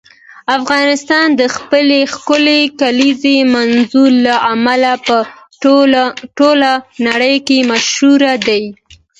افغانستان د خپلې ښکلې کلیزو منظره له امله په ټوله نړۍ کې مشهور دی.